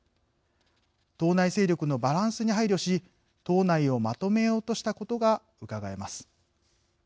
党内勢力のバランスに配慮し党内をまとめようとしたことがうかがえます。